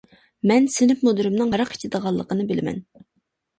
مەن سىنىپ مۇدىرىمنىڭ ھاراق ئىچىدىغانلىقىنى بىلىمەن.